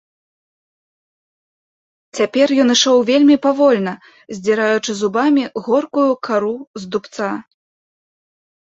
Цяпер ён ішоў вельмі павольна, здзіраючы зубамі горкую кару з дубца.